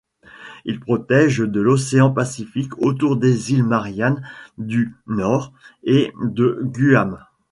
Il protège de l'océan Pacifique autour des Îles Mariannes du Nord et de Guam.